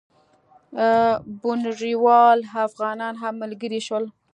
بُنیروال افغانان هم ملګري شول.